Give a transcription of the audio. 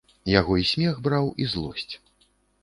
Яго й смех браў і злосць.